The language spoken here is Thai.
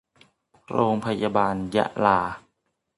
โรงพยาบาลยะลา